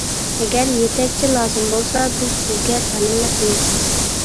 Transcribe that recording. ئەگەر يېتەكچى لازىم بولسا بىز سىزگە تەمىنلەپ بېرىمىز.